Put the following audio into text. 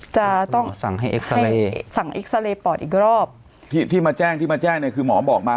จะต้องสั่งให้สั่งอีกรอบที่ที่มาแจ้งที่มาแจ้งเนี้ยคือหมอบอกมา